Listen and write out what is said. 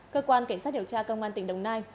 cơ quan cảnh sát điều tra công an tỉnh đồng nai